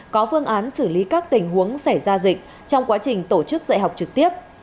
có phương án xử lý các tình huống xảy ra dịch trong quá trình tổ chức dạy học trực tiếp